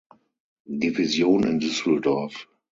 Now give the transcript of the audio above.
Division in Düsseldorf.